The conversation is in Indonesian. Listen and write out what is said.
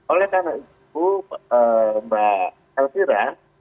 oleh tana ibu mbak elvira